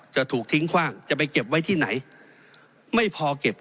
จะถูกทิ้งคว่างจะไปเก็บไว้ที่ไหนไม่พอเก็บ